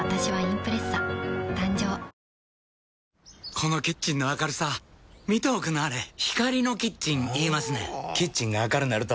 このキッチンの明るさ見ておくんなはれ光のキッチン言いますねんほぉキッチンが明るなると・・・